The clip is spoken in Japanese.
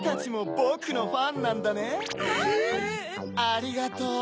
ありがとう。